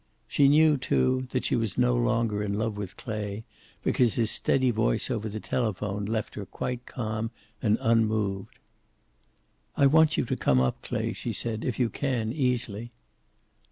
She knew, too, that she was no longer in love with Clay, because his steady voice over the telephone left her quite calm and unmoved. "I want you to come up, Clay," she said. "If you can, easily."